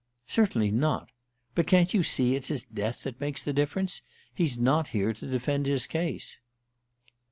"Certainly not. But can't you see it's his death that makes the difference? He's not here to defend his case."